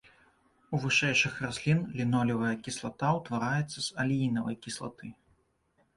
У вышэйшых раслін лінолевая кіслата ўтвараецца з алеінавай кіслаты.